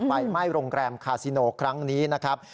ไฟไหม้โรงแรมคาซิโนครั้งนี้นะครับ